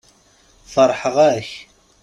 Feṛḥeɣ-ak.